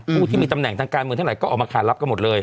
ผู้ที่มีตำแหน่งทางการเมืองทั้งหลายก็ออกมาขาดรับกันหมดเลย